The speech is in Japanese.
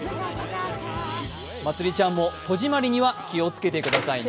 まつりちゃんも戸締まりには気をつけてくださいね。